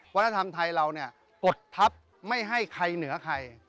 วัฒนธรรมไทยเราเนี่ยกดทัพไม่ให้ใครเหนือใคร